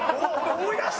思い出した！